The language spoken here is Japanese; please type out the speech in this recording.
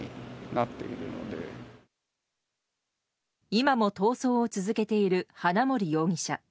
今も逃走を続けている花森容疑者。